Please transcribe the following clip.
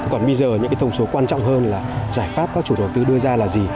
còn bây giờ những thông số quan trọng hơn là giải pháp các chủ đầu tư đưa ra là gì